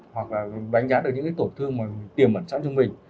hoặc là đánh giá được những cái tổn thương mà tìm bẩn chắc cho mình